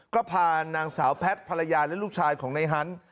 ก็พานางสาวแพทย์ภรรยาและลูกชายของในฮันต์